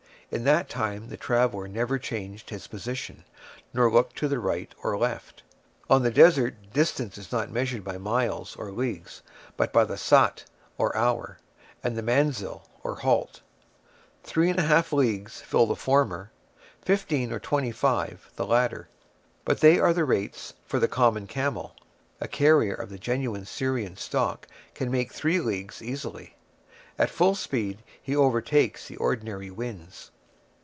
In that time the traveller never changed his position, nor looked to the right or left. On the desert, distance is not measured by miles or leagues, but by the saat, or hour, and the manzil, or halt: three and a half leagues fill the former, fifteen or twenty five the latter; but they are the rates for the common camel. A carrier of the genuine Syrian stock can make three leagues easily. At full speed he overtakes the ordinary winds.